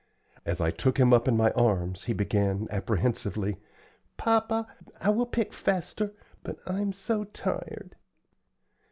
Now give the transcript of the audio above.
As I took him up in my arms, he began, apprehensively, "Papa, I will pick faster, but I'm so tired!"